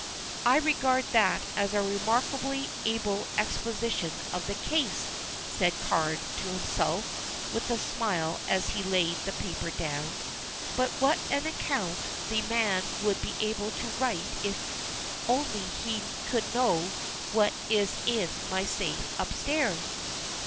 "I regard that as a remarkably able exposition of the case," said Carne to himself with a smile as he laid the paper down, "but what an account the man would be able to write if only he could know what is in my safe upstairs!"